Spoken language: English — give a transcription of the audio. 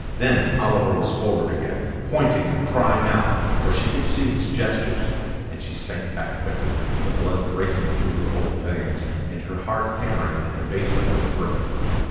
Then Oliver was forward again, pointing and crying out, for she could see his gestures; and she sank back quickly, the blood racing through her old veins, and her heart hammering at the base of her throat.